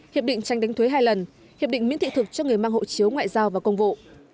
hiệp định tranh đánh thuế hai lần hiệp định miễn thị thực cho người mang hộ chiếu ngoại giao và công vụ